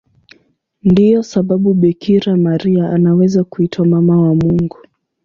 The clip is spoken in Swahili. Ndiyo sababu Bikira Maria anaweza kuitwa Mama wa Mungu.